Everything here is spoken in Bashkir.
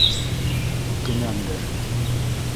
Үкенәмдер.